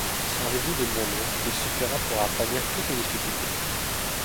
Servez-vous de mon nom, il suffira pour aplanir toutes les difficultés.